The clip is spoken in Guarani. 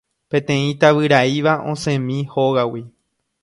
Peteĩ tavyraíva osẽmi hógagui.